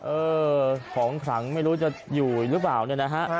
เออของขลังไม่รู้จะอยู่หรือเปล่าเนี่ยนะฮะ